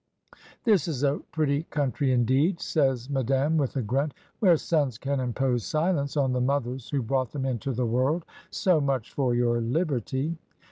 "This is a pretty country, indeed," says Madame, with a grunt, "where sons can impose silence on the nciothers who brought them into the world. So much for your liberty."